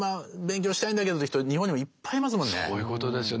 そういうことですね。